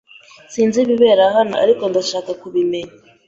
Sinzi ibibera hano, ariko ndashaka kubimenya.